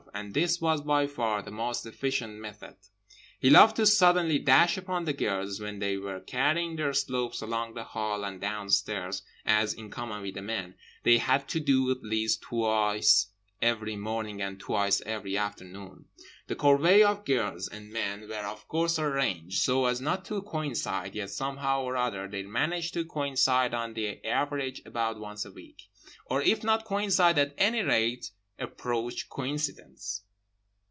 And this was by far the most efficient method. He loved to suddenly dash upon the girls when they were carrying their slops along the hall and downstairs, as (in common with the men) they had to do at least twice every morning and twice every afternoon. The corvée of girls and men were of course arranged so as not to coincide; yet somehow or other they managed to coincide on the average about once a week, or if not coincide, at any rate approach coincidence.